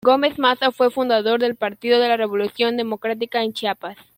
Gómez Maza fue fundador del Partido de la Revolución Democrática en Chiapas.